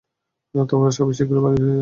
তোমরা সবাই শীঘ্রই বাড়ি ফিরে যাবে।